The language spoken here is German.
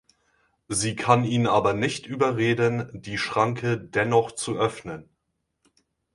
Sie kann ihn aber nicht überreden, die Schranke dennoch zu öffnen.